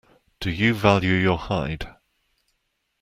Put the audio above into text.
Do you value your hide.